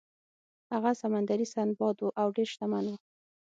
هغه سمندري سنباد و او ډیر شتمن و.